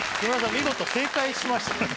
見事正解しましたね。